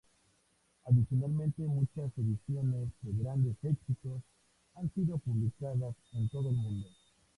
Adicionalmente, muchas ediciones de "Grandes Éxitos" han sido publicadas en todo el mundo.